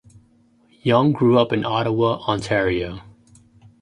Young grew up in Ottawa, Ontario.